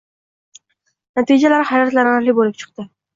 Natijalar hayratlanarli bo‘lib chiqdi